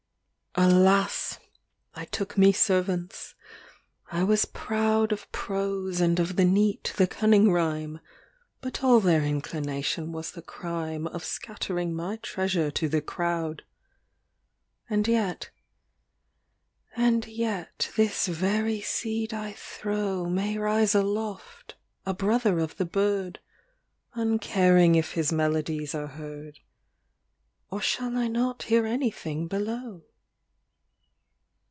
L Alas ! I took me servants : I was proud Of prose and of the neat, the cunning rhyme, But all their inclination was the crime Of scattering my treasure to the crowd. LI And yet ŌĆö and yet this very seed I throw May rise aloft, a brother of tho bird, Uncaring if his melodies are heard Or shall I not hear anything below